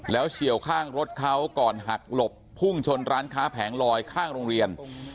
แล้วเฉียวข้างรถเขาก่อนหักหลบพุ่งชนร้านค้าแผงลอยข้างโรงเรียน